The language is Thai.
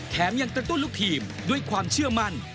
แถมยังกระตุ้นลูกทีมด้วยความเชื่อมั่น